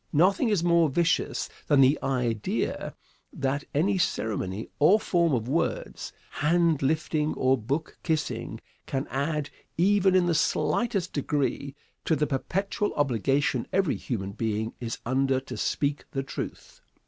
Nothing is more vicious than the idea that any ceremony or form of words hand lifting or book kissing can add, even in the slightest degree, to the perpetual obligation every human being is under to speak the truth.